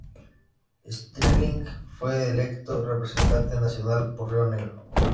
Stirling fue electo representante nacional por Río Negro.